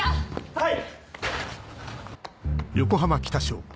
はい！